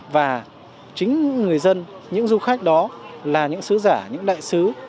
và chính người dân những du khách đó là những sứ giả những đại sứ